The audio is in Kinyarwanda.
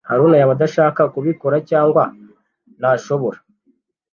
Haruna yaba adashaka kubikora cyangwa ntashobora.